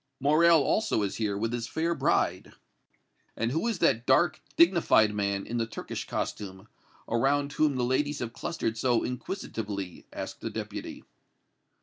Morrel also is here with his fair bride." "And who is that dark, dignified man in the Turkish costume, around whom the ladies have clustered so inquisitively?" asked the Deputy.